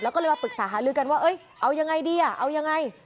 แล้วก็เลยมาปรึกษาหาลือกันว่าเอายังไงดีอ่ะเอายังไง